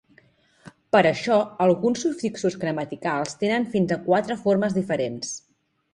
Per això, alguns sufixos gramaticals tenen fins a quatre formes diferents.